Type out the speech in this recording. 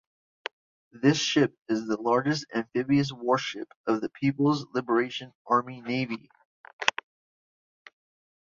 This ship is the largest amphibious warship of the People’s Liberation Army Navy.